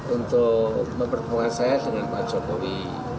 untuk mempertemukan saya dengan pak jokowi